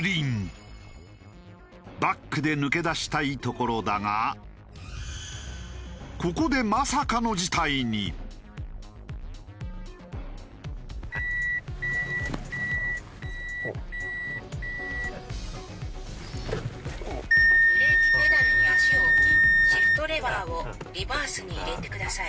バックで抜け出したいところだがここで「ブレーキペダルに足を置きシフトレバーをリバースに入れてください」